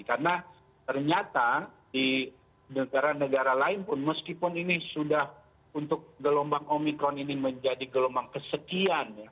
karena ternyata di negara negara lain pun meskipun ini sudah untuk gelombang omikron ini menjadi gelombang kesekian